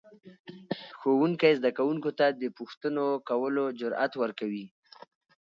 ښوونکی زده کوونکو ته د پوښتنو کولو جرأت ورکوي